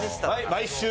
毎週？